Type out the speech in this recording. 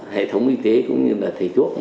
hệ thống y tế cũng như là thầy thuốc